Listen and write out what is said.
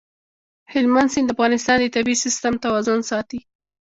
هلمند سیند د افغانستان د طبعي سیسټم توازن ساتي.